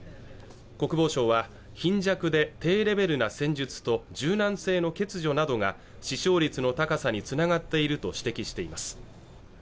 国防相は貧弱で低レベルな戦術と柔軟性の欠如などが死傷率の高さにつながっていると指摘しています